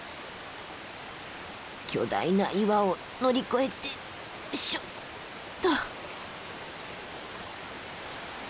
巨大な岩を乗り越えてよいしょっと。